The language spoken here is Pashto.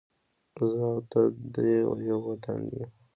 زه او ته دې ېو وطن ېو